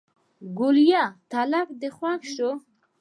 ګوليه تلک دې خوښ شو.